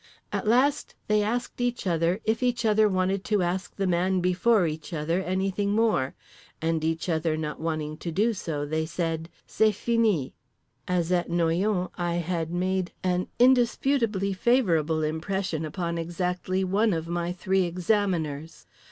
At last they asked each other if each other wanted to ask the man before each other anything more, and each other not wanting to do so, they said: "C'est fini." As at Noyon, I had made an indisputably favourable impression upon exactly one of my three examiners.